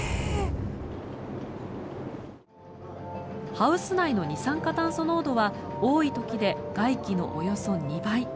ハウス内の二酸化炭素濃度は多い時で大気のおよそ２倍。